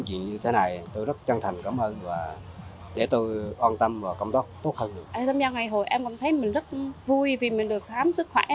tham gia ngày hội em cảm thấy mình rất vui vì mình được khám sức khỏe